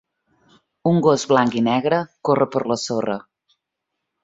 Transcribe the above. Un gos blanc i negre corre per la sorra.